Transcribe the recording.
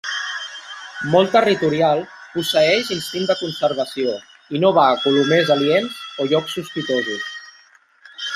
Molt territorial, posseeix instint de conservació, i no va a colomers aliens o llocs sospitosos.